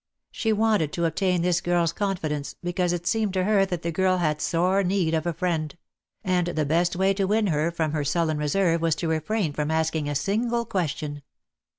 She wanted to obtain this girl's confidence, because it seemed to her that the girl had sore need of a friend; and the best way to win her from her sullen reserve was to refrain from asking a single question.